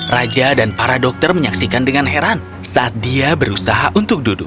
raja dan para dokter menyaksikan dengan heran saat dia berusaha untuk duduk